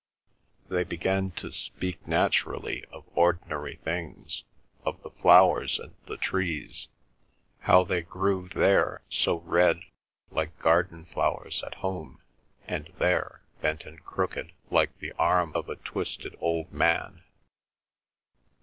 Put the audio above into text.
They began to speak naturally of ordinary things, of the flowers and the trees, how they grew there so red, like garden flowers at home, and there bent and crooked like the arm of a twisted old man.